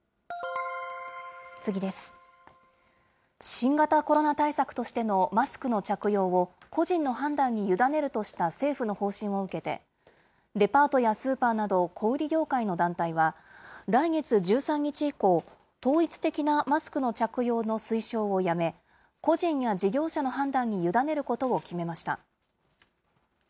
新型コロナ対策としてのマスクの着用を、個人の判断に委ねるとした政府の方針を受けて、デパートやスーパーなど小売業界の団体は、来月１３日以降、統一的なマスクの着用の推奨をやめ、個人や事業者の判断に委ねることを決めました。